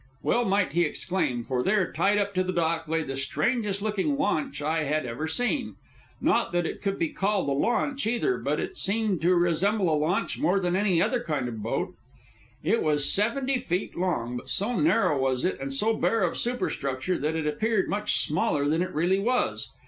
Well might he exclaim, for there, tied up to the dock, lay the strangest looking launch I had ever seen. Not that it could be called a launch, either, but it seemed to resemble a launch more than any other kind of boat. It was seventy feet long, but so narrow was it, and so bare of superstructure, that it appeared much smaller than it really was.